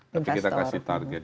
tapi kita kasih target